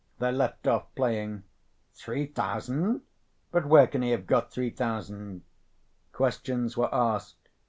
They left off playing. "Three thousand? But where can he have got three thousand?" Questions were asked.